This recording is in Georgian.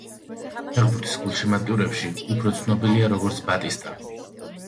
ფეხბურთის გულშემატკივრებში უფრო ცნობილია როგორც ბატისტა.